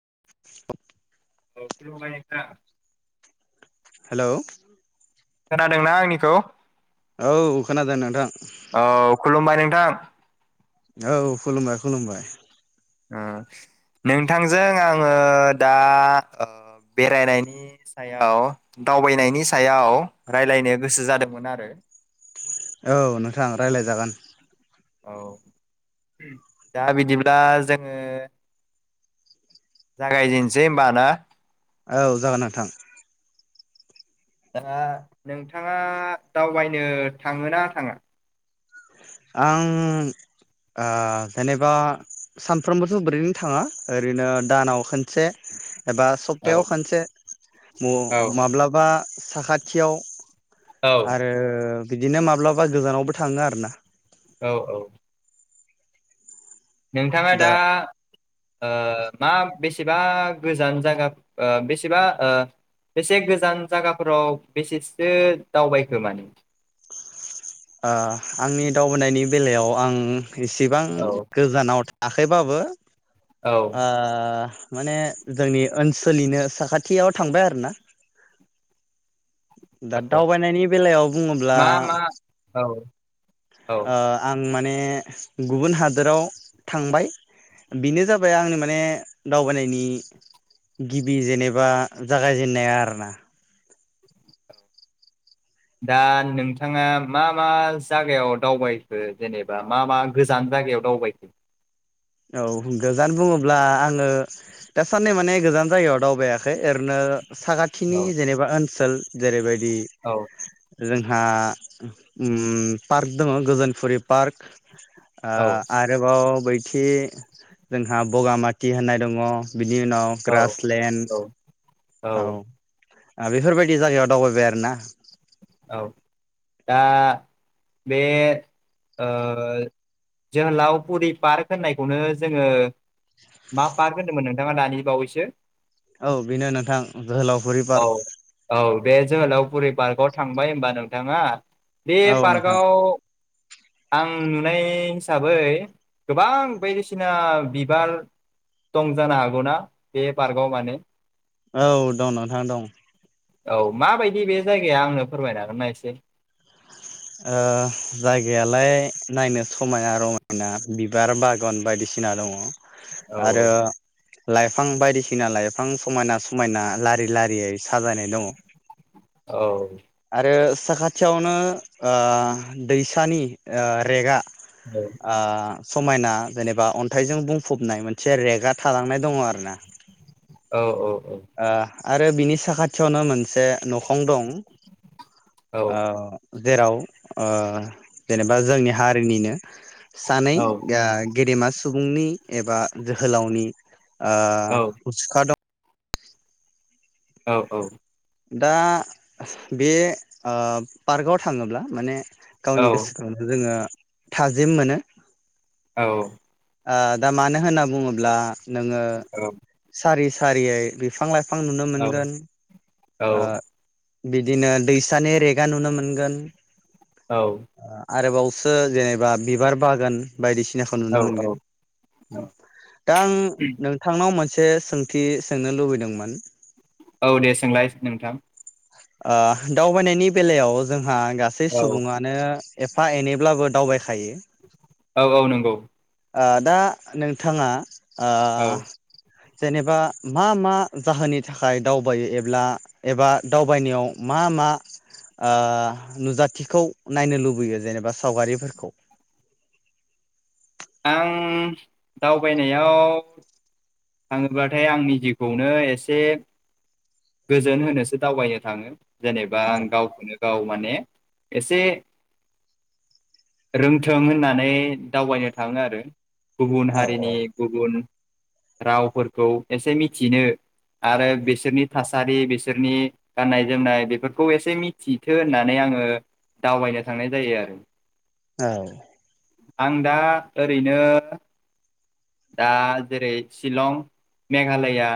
[inaudible] [unintelligible] Hello खोनादोंना आंनिखौ? औ खोनदो नोथां औ खुलुमबाय [unintelligible] औ खुलुमबाय खुलुमबाय। नोंथांजों आङो दा बेरायनायनि सायाव दावबायनायनि सायाव राय्लायनो गोसो जादोंमोन आरो। औ नोंथां रायज्लाय जागोन। औ दा बिदिब्ला जोङो जागायजेननसै होनबा दा औ जागोन नोंथां दा नोंथाङा दावबायनो थाङोना थाङा? आं ओ जेनेबा सानफ्रोमबोथ' बोरैनो थाङा ओरैनो दानाव खोनसे एबा औ सप्तायाव खनसे औ मौ-माब्लाबा साखाथियाव औ आरो बिदिनो माब्लाबा गोजानावबो थाङो आरो ना [inaudible] औ औ नोंथाङा दा ओ मा बेसेबा गोजान जागा बेसेबा बेसे गोजान जायगाफोराव बेसेसो दावबायखो माने ओ आंनि दावबोननि बेलायाव आं इसिबां औ गोजानाव थाखैबाबो औ [inaudible] आ माने जोंनि ओनसोलनिनो साखाथियाव थांबाय आरो ना। दा औ दावबायनायनि बेलायाव बुङोब्ला मा मा औ औ आ आं आं माने गुबुन हादोराव थांबाय बेनो जाबाय आंनि माने दावबायनायनि गिबि जेनेबा जागायजेनन्नाया आरोना। दा नोंथाङा मा मा जायागायाव दावबायखो जेनेबा मा मा गोजान जायगायाव दावबायखो? औ गोजान बुङोब्ला आङो दासाननै माने गोजान जायगायाव दावबायाखै ओरैनो साखाथिनि औ जेनेबा ओनसोल जेरैबायदि औ जों ओ पार्क दङ गोजोनफुरि पार्क आ औ आरोबाव बै खि जोंहा बगामाथि होननाय दङ। बिनि उनाव औ ग्रासलेण्ड औ औ औ बेफोरबायदि जायगायाव दावबायबाय आरोना। औ दा बे ओ जोहोलावफुरि पार्क होननायखौनो जोङो मा पार्क होनदोंमोन नोंथाङा दानि बावैसो? औ बेनो नोंथां जोहोलावफुरि पार्क पुरि पार्काव थांबाय होनबा नोंथाङा बे औ नोंथां पार्कआव आं आं नुनाय हिसाबै गोबां बायदिसिना बिबार दं जानो हागौना बे पार्कआव माने औ दं नोंथां दं औ माबायदि बे जायगाया आंनो फोरमायनो हागोनना इसे ओ जायगायालाय नायनो समायना रमायना बिबार बागान बायदिसिना दङ औ आरो लाइफां बायदिसिना लाइफां समायना समायना लारि लारियै साजायनाय दङ औ आरो साखाथियावनो ओ दैसानि ओ रेगा औ ओ समायना जेनेबा अन्थाइजों बुंफबनाय मोनसे रेगा थालांनाय दङ आरो ना औ औ ओ आरो बिनि साखाथियावनो मोनसे न'खर फं दं औ ओ जेराव ओ जेनेबा जोंनि हारिनिनो सानैै औ ओ गेदेमा सुबुंनि एबा जोहोलावनि ओ मुसुखा दं औ औ दा बे ओ पार्कआव थाङोब्ला माने गावनि गोसोखौ जोङो थाजिम मोनो औ ओ दा मानो होनना बुङोब्ला नोङो सारि सारियै बिफां लाइ बिफां नुनो मोनगोन ओ औ बिदिनो दैसानि रेगा नुनो मोनगोन औ आरोबावसो जेनेबा बिबार बागान बायदिसिनाखौ नुनो औ मोनगोन दा आं नोंथांनाव मोनसे एसे सोंथि सोंनो लुबैदोंमोन औ दे सोंलाय नोंथां ओ दावबायनायनि बेलायाव जों आहा गासै औ सुबुङानो एफा एनैब्लाबो दावबाय औ औ नोंगौ ओ दा नोंथाङा ओ औ जेनेबा मा मा जाहोननि थाखाय दावबायो एबा एबा दावबायनायाव मा मा ओ नुजाथिखौ नायनो लुबैयो जेनेबा सावगारिफोरखौ आं दावबायनायाव थाङोब्लाथाय आंनि जिउखौनो एसे गोजोन होनोसो दावबायनो थाङो जेनेबा औ आं गावखौनो गाव माने एसे रोंथों होननानै दावबायनो थाङो आरो गुबुन औ हारिनि औ गुबुन रावफोरखौ एसे मिथिनो आरो बिसोरनि थासारि बिसोरनि गाननाय जोमनाय बेफोरखौ एसे मिथिथो होननानै आङो दावबायनो थांनाय जायो आरो औ आं दा ओरैनो दा जेरै शिलं मेघालया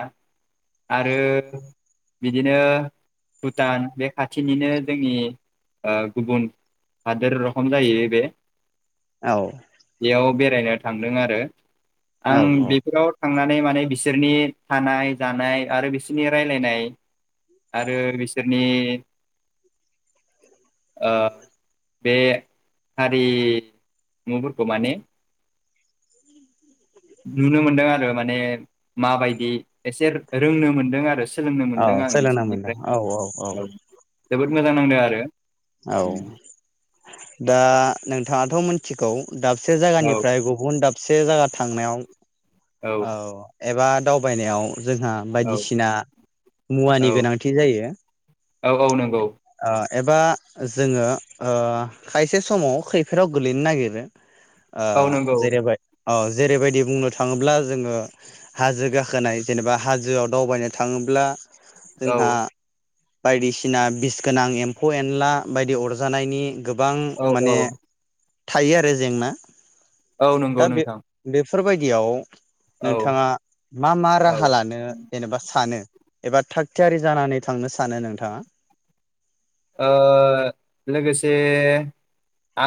आरो बिदिनो भुटान बे खाथिनिनो जोंनि ओ गुबुन हादोर रखम जायो बे औ बेयाव बे बेरायनो थांदों आरो आं औ औ बेफोराव थांनानै माने बिसोरनि थानाय जानाय आरो बिसोरनि रायजलायनाय आरो बिसोरनि ओ बे हारिमुफोरखौ माने नुनो मोनदों आरो माने माबायदि एसे रोंनो मोनदों आरो सोलोंनो औ मोनदों आं सोलोंनो मोनदों बिसोरनिफ्राय औ औ औ जोबोद मोजां नांदों आरो औ दा नोंथाङाथ मोनथिगौ दाबसे औ जायगानिफ्राय गुबुन दाबसे जायगा थांनायाव औ एबा दावबायनायाव जोंहा औ बायदिसिना मुवानि औ गोनांथि जायो औ औ नंगौ ओ एबा जोङो ओ खायसे समाव खैफोदाव गोलैनो नागिरो ओ औ नंगौ जेरैबाय औ जेरैबायदि बुंनो थाङोब्ला जोङो हाजो गाखोनाय जेनेबा हाजोआव दावबायनो थाङोब्ला औ जोंहा बायदिसिना बिस गोनां एम्फौ एनला बायदि अरजानायनि गोबां औ माने औ थायो आरो जेंना औ नंगौ दा बे नोंथां बेफोरबायदियाव औ नोंथाङा मा मा औ राहा ओ लानो जेनेबा सानो एबा थाग थियारि जानानै थांनो सानो नोंथाङा ओ लोगोसे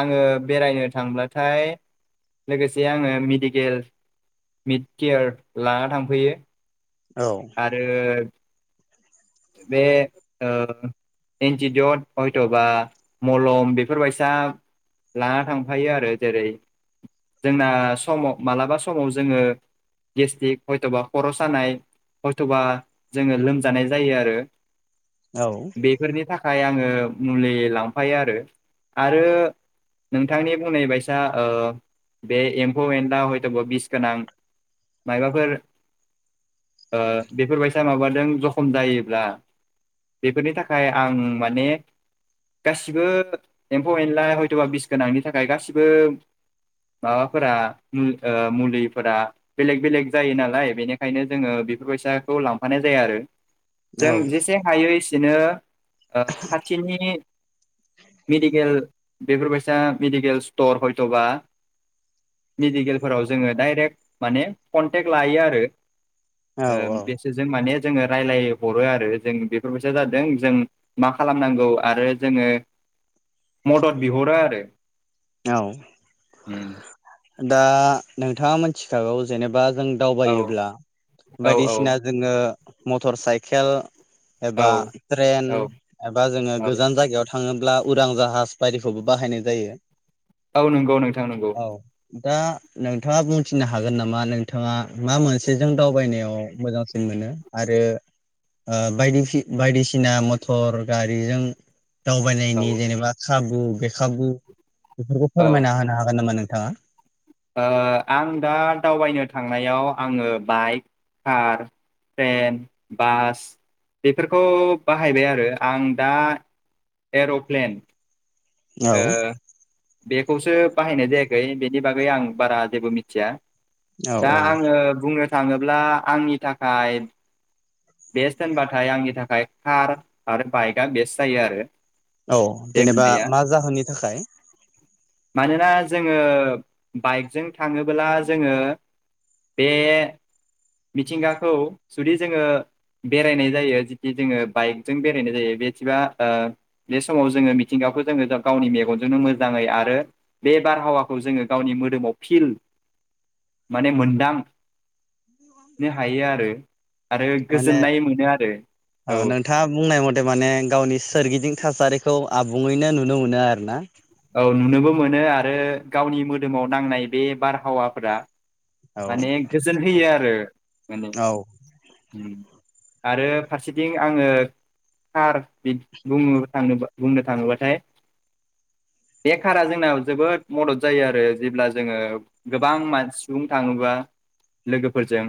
आङो बेरायनो थांब्लाथाय लोगोसे आङो मेडिकेल मिट केयार लाना थांफायो औ आरो बे ओ एन्टिदड हयथ'बा मलम बेफोरबायसा लाना थांफायो आरो जेरै जोंना समाव मालाबा समाव जोङो गेस्टिक हयथ'बा खर' सानाय हयथ'बा जोङो लोमजानाय लोमजानाय जायो आरो औ बेफोरनि थाख थाखाय आङो मुलि लांफायो आरो आरो नोंथांनि बुंनाय बायसा ओ बे एम्फौ एनला हयथ'ब बिस गोनां मबाफोर ओ बेफोरबायसा माबा खम जायोब्ला बेफोरनि थाखाय आं माने गासिबो एम्फौ एनला हयथ'बा बिस गोनांनि थाखाय गासिबो माबाफोरा ओ मुलिफोरा बेलेक बेलेग जायो नालाय बेनिखायनो जोङो बेफोरबायैसाखौ लांफानाय जाया आरो जों औ जेसे हायो बिदिनो खाथिनि मेडिकेल बेफोरबायसा मेडिकेल स्टर हयथबा मेडिकेलफोराव जोङो डायरेक्ट माने कनटेक्ट लायो आरो औ ओ बेसोरजों माने जोङो रायजलायहरो आरो जों बेफोरबायसो जादों जों मा खालामनांगौ आरो जोङो मदद बिहरो आरो औ उम दा नोंथाङा मिथिखागौ जेनेबा जों औ दावबायोब्ला औ औ बायदिसिना जोङो मटर साइकेल औ एबा ट्रेन औ एबा जोङो औ गोजान जायगायाव थाङोब्ला उरां जाहाज बायदिखौबो बाहायनाय जायो औ नंगौ नोंथां नंगौ औ दा नोंथाङा बुंथिनो हागोन नामा नोंथाङा मा मोनसेजों दावबायनायाव मोजांसिन मोनो आरो ओ बायदि बायदिसिना मथर गारिजों औ दावबायनायनि जेनेबा खाबु बेखाबु बेफोरखौ औ फोरमायना होनो हागोन नामा नों थाङा ओ आं दा दावबायनो थांनायाव आङो बाइक कार ट्रेन बास बेफोरखौ बाहायबाय आरो आं दा एर'प्लेन ओ औ बेखौसो बाहायनाय जायाखै बेनि बागै आं बारा जेबो मिथिया औ दा औ आङो बुंनो थाङोब्ला आंनि थाखाय बेस्ट होनबाथाय आंनि थाखाय कार आरो बाइकआ बेस्ट जायो आरो औ बे जेनेबा मोननैया मा जाहोननि थाखाय मानोना जोङो बाइकजों थाङोब्ला जोङो बे मिथिंगाखौ जुदि जोङो बेरायनाय जायो जिथि जोङो बाइकजों बेरायनाय जायो बेदिबा बे समाव जोङो मिथिंगाखौ जोङो गावनि मेगनजोंनो मोजाङै आरो बे बारहावाखौ जोङो गावनि मोदोमाव फिल माने मोनदां नो हायो आरो माने गोजोननाय मोनो आरो ओ औ नोंथाङा बुंनाय मथे माने गावनि सोरगिदिं थासारिखौ आबुङैनो नु नुनो मोनो आरो ना औ नुनोबो मोनो आरो गावनि मोदोमाव नांनाय बे बारहावाफोरा औ माने गोजोन होयो आरो माने औ आरो फारसेथिं आङो कार बि बुंनो थाङोबाथाय बेखारा जोंनाव जोबोद मदद जायो आरो जेब्ला जोङो गोबांन सुबुं थाङोबा लोगोफोरजों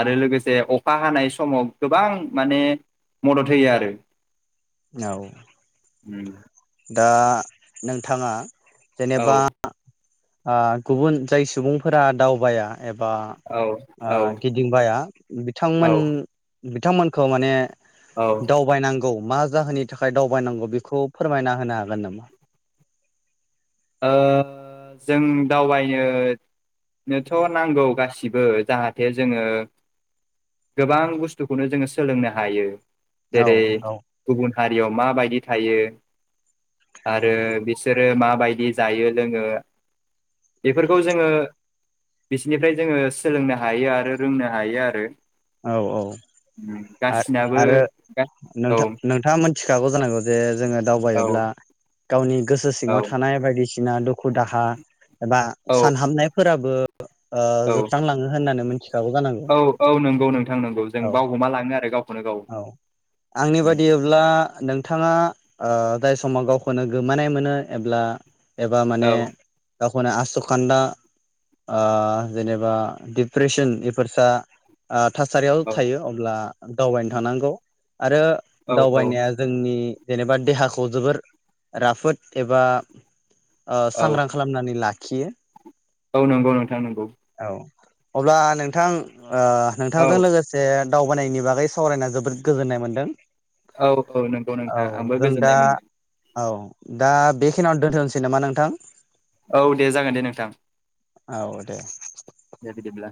आरो लोगोसे अखा हानाय समाव गोबां माने मदद होयो आरो औ उम दा नोंथाङा औ जेनेबा ओ गुबुन जाय सुबुंफोरा दावबाया एबा औ ओ औ गिदिंबाया औ बिथांमोन बिथांमोनखौ माने औ ओ दावबायनांगौ औ मा जाहोननि थाखाय दावबायनांगौ बेखौ फोरमायना होनो हागोन नामा ओ जों दावबायनोथ' नांगौ गासिबो जाहाथे जोङो गोबां बुस्थुखौनो जोङो सोलोंनो हायो जेरै औ हारियाव माबायदि थायो आरो बिसोरो माबायदि बिदि जायो लोङो बेफोरखौ जोङो बिसोरनिफ्राय जोङो सोलोंनो हायो आरो रोंनो हायो आरो औ औ गासिनाबो आरो औ नोंथा नोंथां मोन मिथिखागौ जानांगौ जोङो औ दावबायोब्ला गावनि गोसो औ सिङाव थानाय बायदिसिना दुखु दुखु दाहा एबा औ सानहामनायफोराबो [inaudible] ओ औ जोबस्रांलाङो होननानै मिथिखागौ जानांगौ औ औ नोंगौ नोंगौ औ औ आंनि बादिब्ला नोंथाङा ओ ओ जाय समाव गावखौनो गोमानाय मोनो एब्ला एबा औ माने गावखौनो आसु खान्दा ओ जेनेबा दिप्रेसन बेफोरसा ओ थासारियाव औ थायो अब्ला दावबायनो थानांगौ आरो औ औ दावबायनाया जोंनि जेनेबा देहाखौ जोबोर राफोद एबा ओ औ सांग्रां खालामनानै लाखि खियो औ नंगौ नोंथां नंगौ अब्ला नोंथां ओ औ नोंथांजों लोगोसे दावबायनायनि बागै सावरायना जोबोद गोजोननाय मोनदों। औ औ नंगौ औ नोंथां आंबो जों दा गोजोननाय मोनदों औ दा बेखिनियावनो दोनथ'नोसै नामा नोंथां औ दे जागोन दे नोंथां औ दे दे बिदिबोला